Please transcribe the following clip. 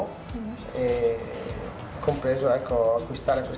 yaitu membeli sepak bola di los angeles